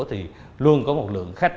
thì luôn có một lượng khách